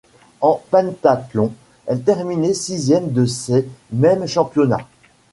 En pentathlon, elle terminait sixième de ces mêmes championnats.